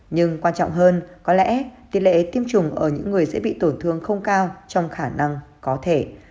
nhưng quan trọng hơn có lẽ tỷ lệ tiêm chủng ở những người sẽ bị tổn thương không cao trong khả năng có thể